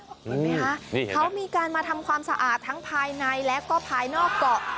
เห็นไหมคะเขามีการมาทำความสะอาดทั้งภายในและก็ภายนอกเกาะ